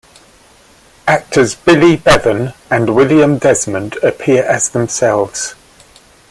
Actors Billy Bevan and William Desmond appear as themselves.